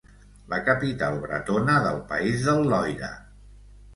La capital bretona del país del Loira.